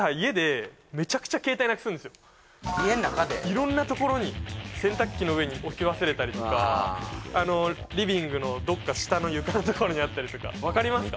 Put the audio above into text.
色んなところに洗濯機の上に置き忘れたりとかリビングのどっか下の床のところにあったりとか分かりますか？